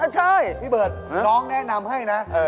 ใช่พี่เบิร์ตน้องแนะนำให้นะ